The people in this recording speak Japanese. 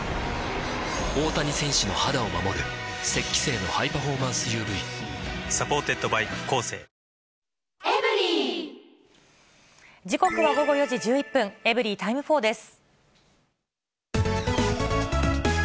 大谷選手の肌を守る「雪肌精」のハイパフォーマンス ＵＶサポーテッドバイコーセー時刻は午後４時１１分、エブリィタイム４です。